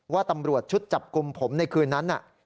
ว่าตำรวจชุดจับกลุ่มผมในคืนนั้น